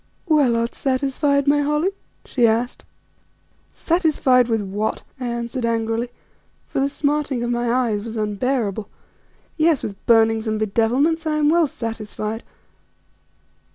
"Well, art satisfied, my Holly?" she asked. "Satisfied with what?" I answered angrily, for the smarting of my eyes was unbearable. "Yes, with burnings and bedevilments I am well satisfied."